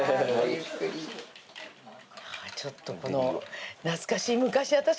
ちょっとこの懐かしい。